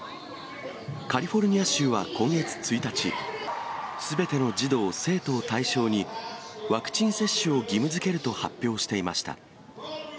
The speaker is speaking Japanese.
カリフォルニア州は今月１日、すべての児童・生徒を対象に、ワクチン接種を義務づけると発表していました。